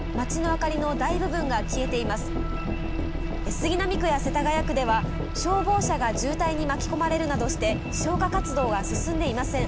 杉並区や世田谷区では消防車が渋滞に巻き込まれるなどして消火活動が進んでいません。